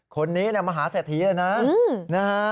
คนนี้มาหาแสดงเลยนะ